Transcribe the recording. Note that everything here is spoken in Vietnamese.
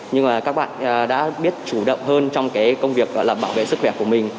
nhưng các bạn đã biết chủ động hơn trong công việc bảo vệ sức khỏe của mình